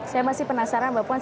saya masih penasaran mbak puan